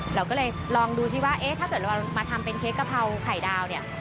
เราก็เลยลองดูซิว่าเอ๊ะถ้าเกิดเรามาทำเป็นเค้กกะเพราไข่ดาวเนี่ย